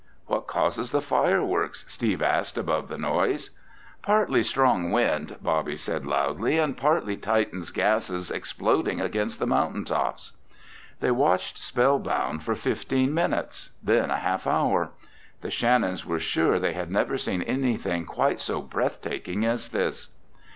"What causes the fireworks?" Steve asked above the noise. "Partly strong wind," Bobby said loudly, "and partly Titan's gases exploding against the mountain tops!" They watched spellbound for fifteen minutes, then a half hour. The Shannons were sure they had never seen anything quite so breathtaking as this.